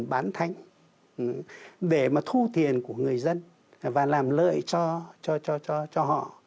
thu thần bán thánh để mà thu tiền của người dân và làm lợi cho cho cho cho cho họ